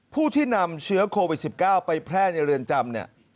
ผู้ที่นำเชื้อโควิด๑๙ไปแพร่ในเรือนจำเนี่ย